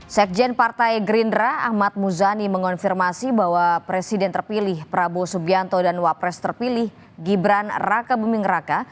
sekjen partai gerindra ahmad muzani mengonfirmasi bahwa presiden terpilih prabowo subianto dan wapres terpilih gibran raka buming raka